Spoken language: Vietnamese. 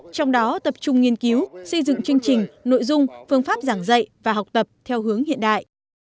trong đó tập trung nghiên cứu xây dựng chương trình nội dung phương pháp giảng dạy và học tập theo hướng hiện đại